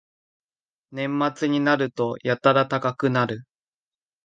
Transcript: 年末になるとやたら高くなる